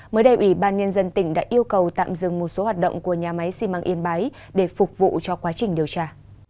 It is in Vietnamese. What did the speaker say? mới đây ủy ban nhân dân tỉnh đã yêu cầu tạm dừng một số hoạt động của nhà máy xi măng yên bái để phục vụ cho quá trình điều tra